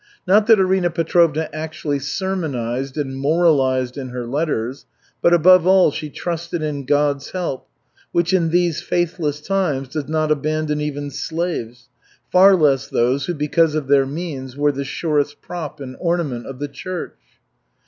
Not that Arina Petrovna actually sermonized and moralized in her letters, but above all, she trusted in God's help, "which in these faithless times does not abandon even slaves, far less those who because of their means were the surest prop and ornament of the church."